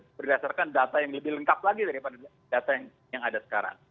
jadi berdasarkan data yang lebih lengkap lagi daripada data yang ada sekarang